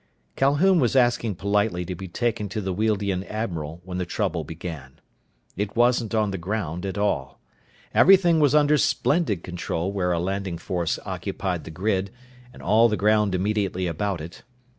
Calhoun was asking politely to be taken to the Wealdian admiral when the trouble began. It wasn't on the ground, at all. Everything was under splendid control where a landing force occupied the grid and all the ground immediately about it.